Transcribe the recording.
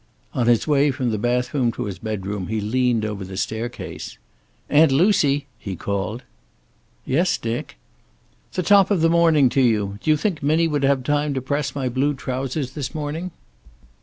On his way from the bathroom to his bedroom he leaned over the staircase. "Aunt Lucy!" he called. "Yes, Dick?" "The top of the morning to you. D'you think Minnie would have time to press my blue trousers this morning?"